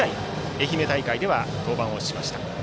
愛媛大会で登板しました。